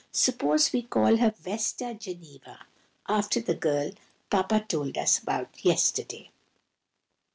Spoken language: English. suppose we call her Vesta Geneva, after the girl Papa told us about yesterday."